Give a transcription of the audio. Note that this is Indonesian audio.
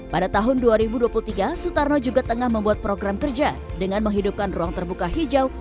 pada tahun dua ribu dua puluh tiga sutarno juga tengah membuat program kerja dengan menghidupkan ruang terbuka hijau